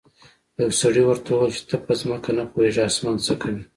یو سړي ورته وویل چې ته په ځمکه نه پوهیږې اسمان څه کوې.